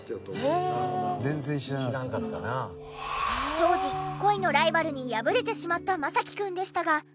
当時恋のライバルに敗れてしまったマサキくんでしたが。